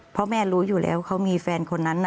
เพราะแม่รู้อยู่แล้วเขามีแฟนคนนั้น